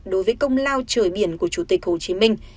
đối với công lao trời biển của chủ tịch hồ chí minh